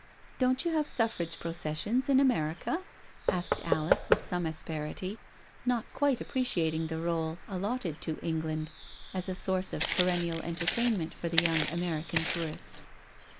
" Don't you have Suffrage processions in America?" asked Alice^ with some asperity, not quite appreciating THE PASSING OF THE WOMEN 315 the r61e allotted to England as a source of perennial entertainment for the young American tourist.